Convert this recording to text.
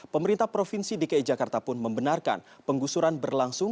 pemerintah provinsi dki jakarta pun membenarkan penggusuran berlangsung